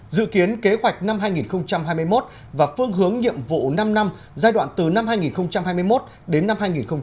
dự kiến kế hoạch năm hai nghìn hai mươi một và phương hướng nhiệm vụ năm năm giai đoạn từ năm hai nghìn hai mươi một đến năm hai nghìn hai mươi năm